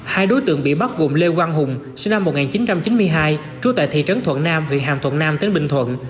hai đối tượng bị bắt gồm lê quang hùng sinh năm một nghìn chín trăm chín mươi hai trú tại thị trấn thuận nam huyện hàm thuận nam tỉnh bình thuận